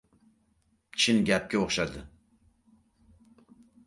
Chin gapga o‘xshadi.